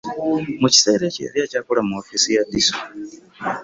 Mu kiseera ekyo, yali akyakola mu woofiisi ya DISO